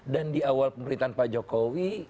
dan di awal pemerintahan pak jokowi